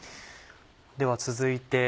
では続いて。